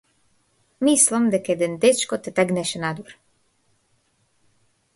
Мислам дека еден дечко те тегнеше надвор.